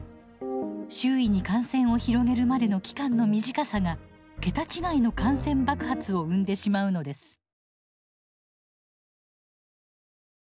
周囲に感染を広げるまでの期間の短さが桁違いの感染爆発を生んでしまうのです。